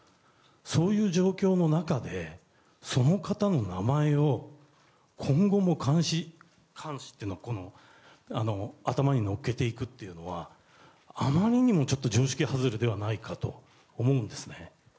そういう状況の中でその方の名前を今後も冠し頭に乗っけていくというのはあまりにも常識外れではないかと思うんですね。